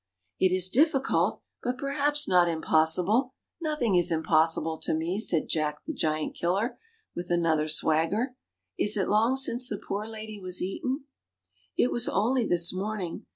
It is difficult, but perhaps not impossible ; nothing is impossible to me," said Jack the Giant killer, with an other swagger. Is it long since the poor lady was eaten ?" It was only this morning.